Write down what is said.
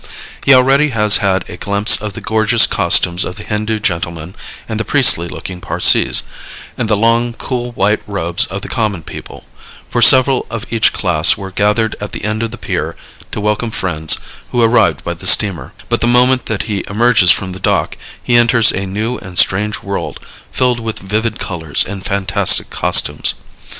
He already has had a glimpse of the gorgeous costumes of the Hindu gentleman and the priestly looking Parsees, and the long, cool white robes of the common people, for several of each class were gathered at the end of the pier to welcome friends who arrived by the steamer, but the moment that he emerges from the dock he enters a new and a strange world filled with vivid colors and fantastic costumes.